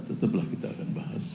tetaplah kita akan bahas